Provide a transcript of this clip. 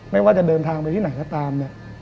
ไม่ว่าจะเดินทางไปที่ไหนก็ตามเนี่ย